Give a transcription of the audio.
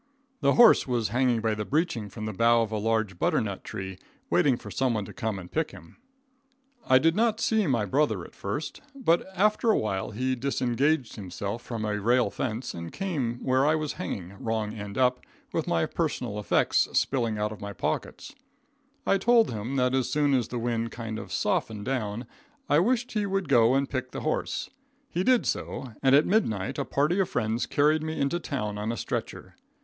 The horse was hanging by the breeching from the bough of a large butternut tree, waiting for some one to come and pick him. [Illustration: WAITING TO BE PICKED.] I did not see my brother at first, but after a while he disengaged himself from a rail fence and came where I was hanging, wrong end up, with my personal effects spilling out of my pockets. I told him that as soon as the wind kind of softened down, I wished he would go and pick the horse. He did so, and at midnight a party of friends carried me into town on a stretcher.